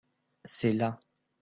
c'est là.